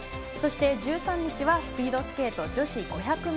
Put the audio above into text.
そして、１３日はスピードスケート女子５００ｍ